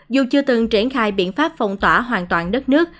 dù chưa từng triển khai biện pháp phong tỏa hoàn toàn đất nước